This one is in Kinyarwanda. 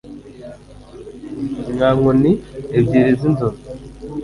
Nka nkoni ebyiri zinzovu